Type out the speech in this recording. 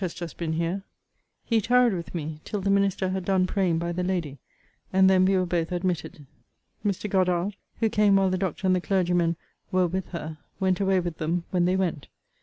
has just been here. He tarried with me till the minister had done praying by the lady; and then we were both admitted. Mr. Goddard, who came while the doctor and the clergyman were with her, went away with them when they went.